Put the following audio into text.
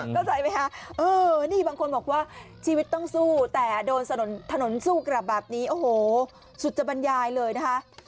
เข้าใจไหมคะนี่บางคนบอกว่าชีวิตต้องสู้แต่โดนถนนสู้กลับแบบนี้โอ้โหสุจบรรยายเลยนะคะ